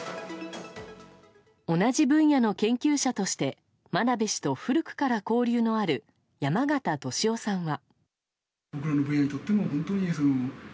同じ分野の研究者として真鍋氏と古くから交流のある山形俊男さんは。